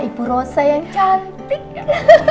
ibu rosa yang cantik